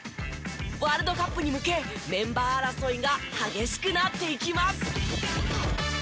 ワールドカップに向けメンバー争いが激しくなっていきます。